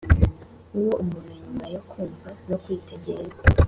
uwo umuntu nyuma yo kumva no kwitegereza